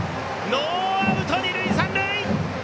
ノーアウト、二塁三塁！